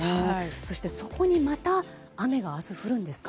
そして、そこにまた雨が明日降るんですか？